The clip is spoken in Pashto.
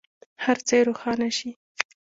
هر څه یې روښانه شي.